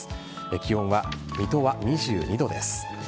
気温は水戸は２２度です。